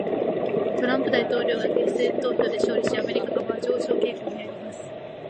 トランプ大統領が決選投票で勝利し、アメリカ株は上昇傾向にあります。